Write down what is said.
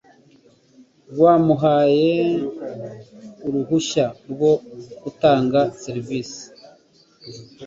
rwamuhaye uruhushya rwo gutanga serivisi